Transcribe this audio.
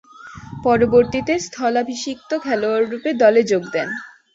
পরবর্তীতে স্থলাভিষিক্ত খেলোয়াড়রূপে দলে যোগ দেন।